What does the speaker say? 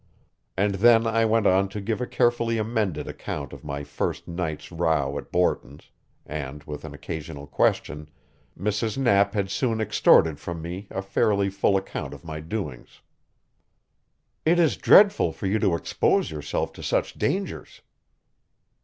And then I went on to give a carefully amended account of my first night's row at Borton's, and with an occasional question, Mrs. Knapp had soon extorted from me a fairly full account of my doings. "It is dreadful for you to expose yourself to such dangers."